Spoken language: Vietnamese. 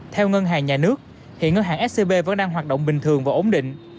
theo ngân hàng nhà nước hiện ngân hàng scb vẫn đang hoạt động bình thường và ổn định